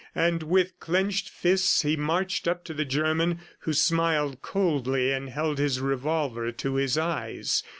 And with clenched fists he marched up to the German, who smiled coldly and held his revolver to his eyes.